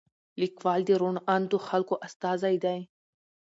لیکوال د روڼ اندو خلکو استازی دی.